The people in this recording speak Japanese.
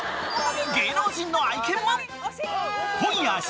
芸能人の愛犬も。